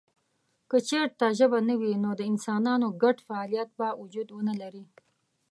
که چېرته ژبه نه وي نو د انسانانو ګډ فعالیت به وجود ونه لري.